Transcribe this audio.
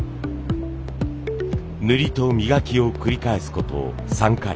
塗りと磨きを繰り返すこと３回。